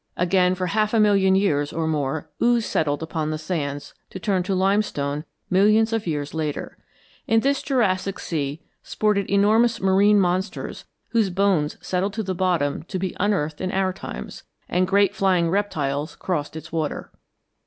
Again for half a million years or more ooze settled upon the sands to turn to limestone millions of years later. In this Jurassic sea sported enormous marine monsters whose bones settled to the bottom to be unearthed in our times, and great flying reptiles crossed its water.